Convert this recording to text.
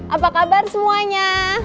apa kabar semuanya